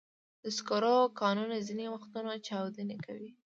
د سکرو کانونه ځینې وختونه چاودنې کوي.